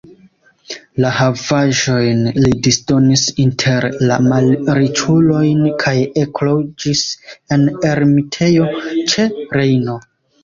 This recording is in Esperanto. La havaĵojn li disdonis inter la malriĉulojn kaj ekloĝis en ermitejo ĉe Rejno.